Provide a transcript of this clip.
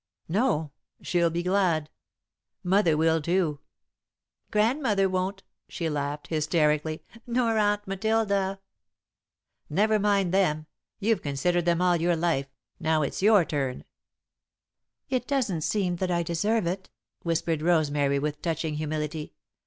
"No, she'll be glad. Mother will too." [Sidenote: A Promise] "Grandmother won't," she laughed, hysterically, "nor Aunt Matilda." "Never mind them. You've considered them all your life, now it's your turn." "It doesn't seem that I deserve it," whispered Rosemary, with touching humility.